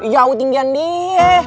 jauh tinggi aneh